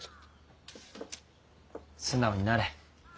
素直になれ。